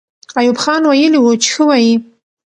ایوب خان ویلي وو چې ښه وایي.